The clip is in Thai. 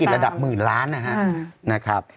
ธุรกิจระดับหมื่นล้านนะครับ